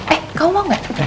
eh kamu mau gak